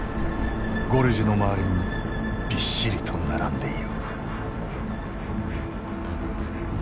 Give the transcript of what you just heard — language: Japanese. ゴルジュの周りにびっしりと並んでいる。